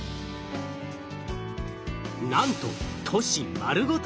なんと都市丸ごと